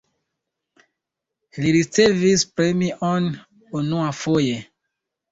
Li ricevis premion unuafoje.